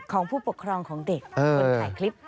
ของผู้ปกครองของเด็กคนถ่ายคลิป